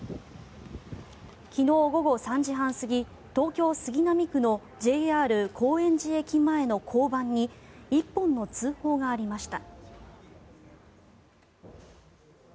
昨日午後３時半過ぎ東京・杉並区のＪＲ高円寺駅前の交番に１本の通報がありました。